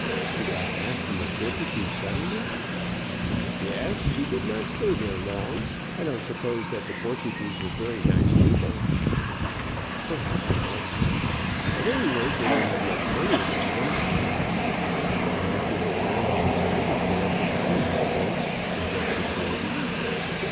She got back from the Portuguese settlement?" "Yes. She did not stay there long. I don't suppose that the Portuguese are very nice people." "Perhaps not." "At any rate they don't have much money among them." "Not after the lavish expenditure of the diamond fields," suggested Gordon.